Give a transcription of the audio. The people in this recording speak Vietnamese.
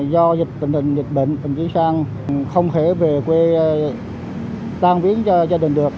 do dịch tình hình dịch bệnh đồng chí sang không thể về quê tan viến cho gia đình được